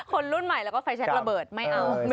คนรุ่นใหม่แล้วก็ไฟแชคระเบิดไม่เอา